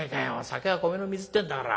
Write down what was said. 酒は米の水ってんだから。